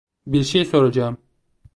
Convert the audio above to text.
Bir şey soracağım.